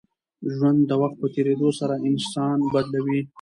ژوند د وخت په تېرېدو سره انسان بدلوي.